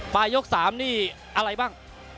ปลายยก๓นี่อะไรบ้าง